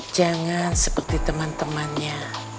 jangan seperti teman temannya